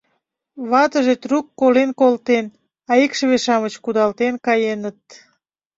Ватыже трук колен колтен, а икшыве-шамыч кудалтен каеныт.